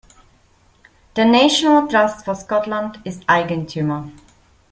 Der National Trust for Scotland ist Eigentümer.